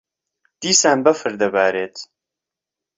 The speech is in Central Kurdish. دیسان بەفر دەبارێت.